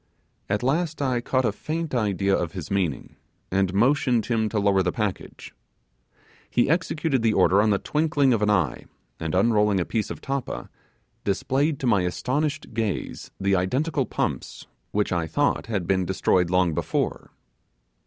At last I caught a faint idea of his meaning, and motioned him to lower the package. He executed the order in the twinkling of an eye, and unrolling a piece of tappa, displayed to my astonished gaze the identical pumps which I thought had been destroyed long before.